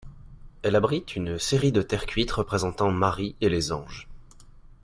Elle abrite une série de terres cuites représentant Marie et les anges.